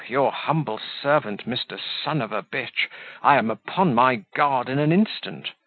your humble servant, Mr. son of a b , I am upon my guard in an instant.